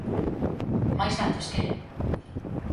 ¿Máis datos queren?